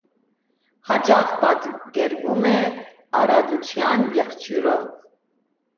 Հաճախ պատկերվում է առատության եղջյուրով։